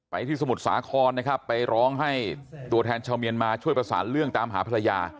ที่สมุทรสาครนะครับไปร้องให้ตัวแทนชาวเมียนมาช่วยประสานเรื่องตามหาภรรยา